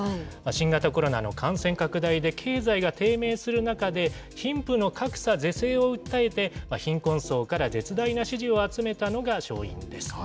新型コロナの感染拡大で経済が低迷する中で、貧富の格差是正を訴えて、貧困層から絶大な支持を集めたのが勝因です。